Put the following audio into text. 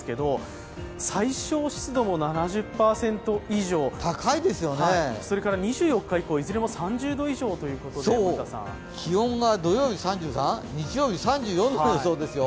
最小湿度も７０％以上、２４日以降、いずれも気温が３０度以上ということで、気温が土曜日３３、日曜日３４度の予想です。